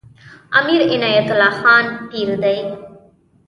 امیر عنایت الله خان پیر دی.